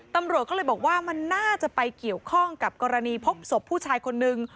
ตำรวจก็เลยบอกว่ามันน่าจะไปเกี่ยวข้องกับกรณีพบศพผู้ชายคนนึง